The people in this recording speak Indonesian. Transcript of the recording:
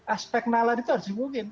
aspek nalan itu harus diungungin